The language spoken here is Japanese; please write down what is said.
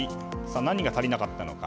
何が足りなかったのか。